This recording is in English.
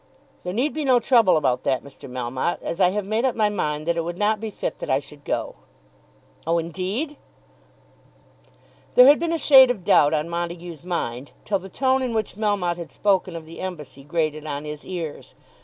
"There need be no trouble about that, Mr. Melmotte, as I have made up my mind that it would not be fit that I should go." "Oh, indeed!" There had been a shade of doubt on Montague's mind, till the tone in which Melmotte had spoken of the embassy grated on his ears.